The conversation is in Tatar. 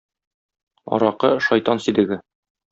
Аракы - шайтан сидеге.